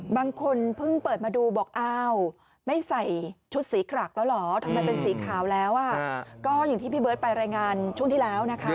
บางคนเพิ่งเปิดมาดูบอกอ้าวไม่ใส่ชุดสีขลักแล้วเหรอทำไมเป็นสีขาวแล้วก็อย่างที่พี่เบิร์ตไปรายงานช่วงที่แล้วนะคะ